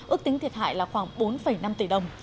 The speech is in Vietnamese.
ước tính thiệt hại là khoảng bốn năm tỷ đồng